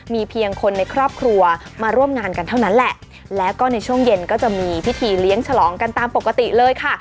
มีเพียงคนในครอบครัวมาร่วมงานกันเท่านั้นแหละแล้วก็ในช่วงเย็นก็จะมีพิธีเลี้ยงฉลองกันตามปกติเลยค่ะ